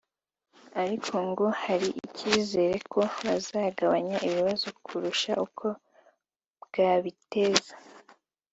ariko ngo hari icyizere ko buzagabanya ibibazo kurusha uko bwabiteza